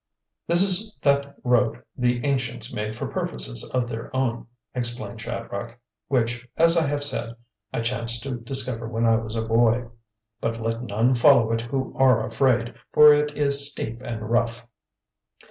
"This is that road the ancients made for purposes of their own," explained Shadrach, "which, as I have said, I chanced to discover when I was a boy. But let none follow it who are afraid, for it is steep and rough."